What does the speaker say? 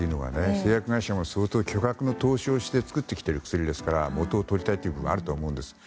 製薬会社も相当巨額の投資をして作ってきている薬でしょうから元をとりたい部分はあると思うんです。